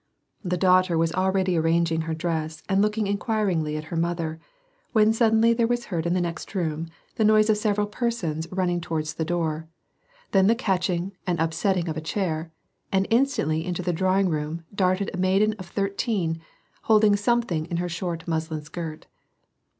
The daughter was already arranging her dress and looking inquiringly at her mother, when suddenly there waa heard in the next room the noise of several persons 44 WAR AND PEACE. running towards the door, then the catching and upsetting of a chair, and instantly into the drawing room darted a maiden of thirteen, holding something in her short muslin skirt.